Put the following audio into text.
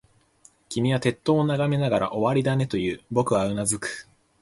君は鉄塔を眺めながら、終わりだね、と言う。僕はうなずく。